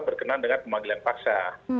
berkenaan dengan pemanggilan paksa